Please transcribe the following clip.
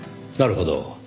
なるほど。